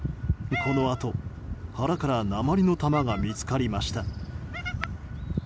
このあと、腹から鉛の弾が見つかりました。